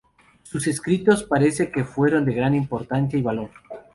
Sus escritos parece que fueron de gran importancia y valor.